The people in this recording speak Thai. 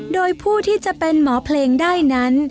โดยผู้ที่จะเป็นหมอเพลงได้นั้น